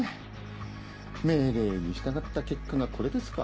命令に従った結果がこれですか。